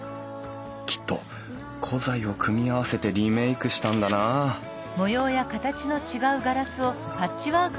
きっと古材を組み合わせてリメークしたんだなうん。